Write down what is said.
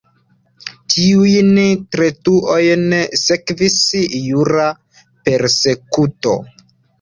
Tiujn detruojn sekvis jura persekuto.